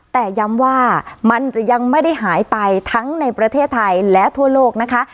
แต่ย้ำว่ามันจะยังไม่ได้หายไปทั้งในประเทศไทยและทั่วโลกนะคะ